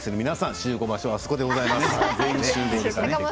集合場所はあそこでございます。